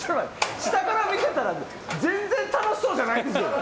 下から見てたら全然楽しそうじゃないですよ。